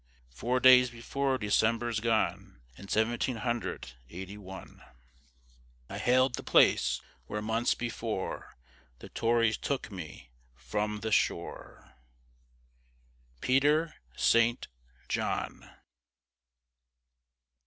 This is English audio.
Four days before December's gone, In seventeen hundred eighty one, I hail'd the place where months before, The Tories took me from the shore. PETER ST. JOHN.